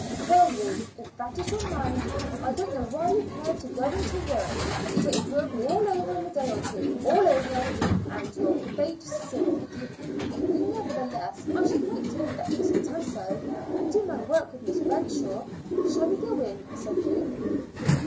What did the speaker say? Well, Ruth, if that is your mind, I don't know why you care to go in to work, for it will be all over in a day or two all over and your fate sealed." "Nevertheless I should like to read that piece of Tasso, and do my work with Miss Renshaw. Shall we go in?" said Ruth.